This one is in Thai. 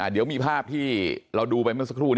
เดี๋ยวมีภาพที่เราดูไปเมื่อสักครู่